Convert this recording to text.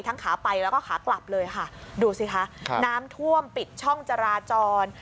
ขาไปแล้วก็ขากลับเลยค่ะดูสิคะน้ำท่วมปิดช่องจราจร